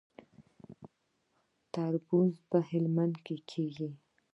تربوز په هلمند کې کیږي